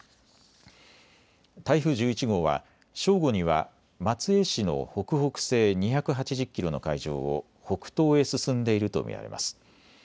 台風１１号は正午には松江市の北北西２８０キロの海上を北東へ進んでいると見られます。